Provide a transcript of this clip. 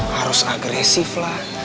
harus agresif lah